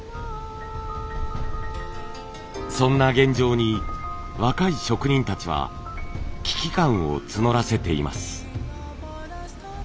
そんな現状に若い職人たちは危機感を募らせています。